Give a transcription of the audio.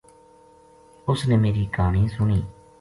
اُس نے میری گہانی سُنی